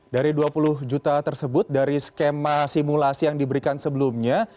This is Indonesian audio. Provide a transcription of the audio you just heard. dari dua puluh juta tersebut dari skema simulasi yang diberikan sebelumnya